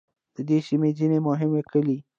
د دې سیمې ځینې مهم کلي